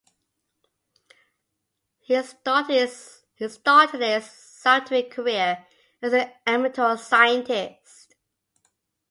He started his scientific career as an amateur scientist.